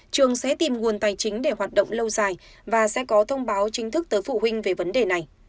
trường sẽ tìm nguồn tài chính để hoạt động lâu dài và sẽ có thông báo chính thức tới phụ huynh về vấn đề này